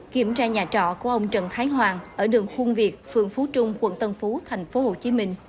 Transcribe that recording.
kiểm tra nhà trọ của ông trần thái hoàng ở đường khuôn việt phường phú trung quận tân phú tp hcm